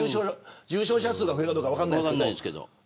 重症者数が増えるかどうか分かんないですけれど。